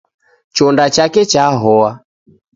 Chonda chake chahoa.